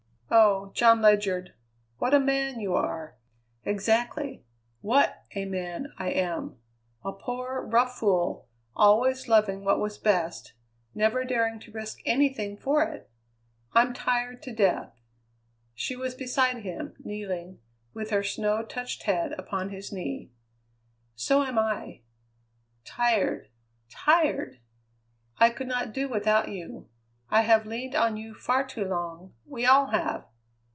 "Oh! John Ledyard! What a man you are!" "Exactly! What a man I am! A poor, rough fool, always loving what was best; never daring to risk anything for it. I'm tired to death " She was beside him, kneeling, with her snow touched head upon his knee. "So am I. Tired, tired! I could not do without you. I have leaned on you far too long; we all have.